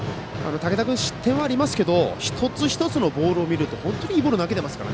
竹田君、失点はありますけど一つ一つのボールを見ると本当にいいボールを投げてますから。